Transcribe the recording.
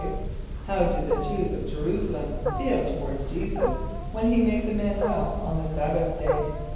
= How did the Jew[s+] of J[+e] r[u:]´s[+a] l[)e]m feel toward J[=e]´[s+]us, when he made the man well on the sabbath day?